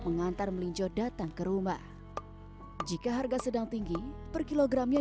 mengantar melinjo datang ke rumah jika harga sedang tinggi per kilogramnya